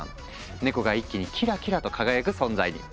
ネコが一気にキラキラと輝く存在に！